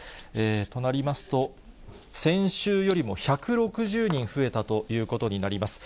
となりますと、先週よりも１６０人増えたということになります。